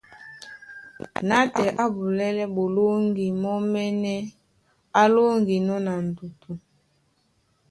Nátɛɛ á bulɛ́lɛ́ ɓolóŋgi mɔ́mɛ́nɛ́ á lóŋginɔ́ na ndutu,